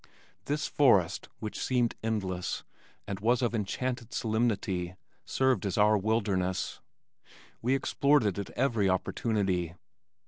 This forest which seemed endless and was of enchanted solemnity served as our wilderness. We explored it at every opportunity.